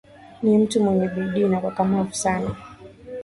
Ni mtu mwenye bidii na ukakamavu sana